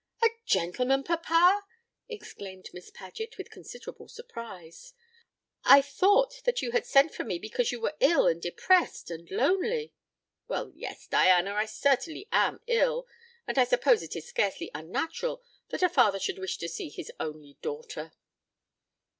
"A gentleman, papa!" exclaimed Miss Paget, with considerable surprise; "I thought that you had sent for me because you were ill and depressed and lonely." "Well, yes, Diana, I certainly am ill; and I suppose it is scarcely unnatural that a father should wish to see his only daughter."